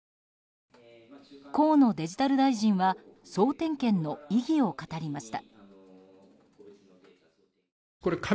河野デジタル大臣は総点検の意義を語りました。